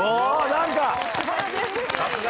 何か。